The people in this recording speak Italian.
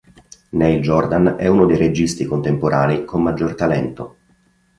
Neil Jordan è uno dei registi contemporanei con maggior talento.